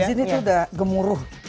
di sini tuh udah gemuruh